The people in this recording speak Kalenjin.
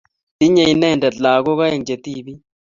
Tinye ineendet lagok aeng' che tibik.